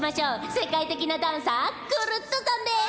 せかいてきなダンサークルットさんです！